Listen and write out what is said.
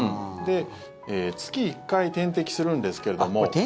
月１回点滴するんですけれども。